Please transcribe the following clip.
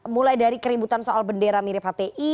mulai dari keributan soal bendera mirip hti